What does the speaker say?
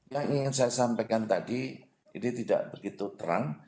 yang ingin saya sampaikan tadi ini tidak begitu terang